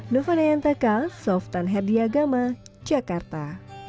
novanayantaka softan herdiagama jakarta